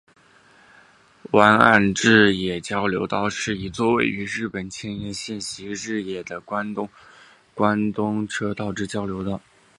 湾岸习志野交流道是一座位于日本千叶县习志野市的东关东自动车道之交流道。